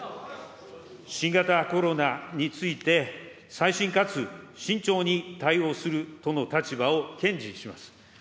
新型コロナについて細心かつ、慎重に対応するとの立場を堅持します。